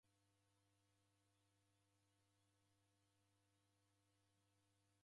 Rija mboi reko na irumba jiboie.